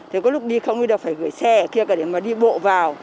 thế có lúc đi không đi đâu phải gửi xe ở kia cả để mà đi bộ vào